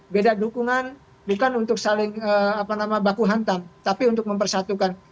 beda dukungan bukan untuk saling baku hantam tapi untuk mempersatukan